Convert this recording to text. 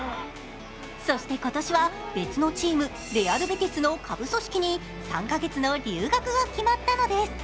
そして今年は別のチーム、レアル・ベティスの下部組織に３か月の留学が決まったのです。